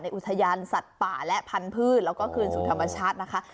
อุทยานสัตว์ป่าและพันธุ์แล้วก็คืนสู่ธรรมชาตินะคะ